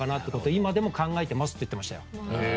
今でも考えてますって言ってましたよ。